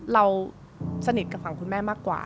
เราสนิทกับฝั่งคุณแม่มากกว่า